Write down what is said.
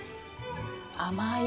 甘い。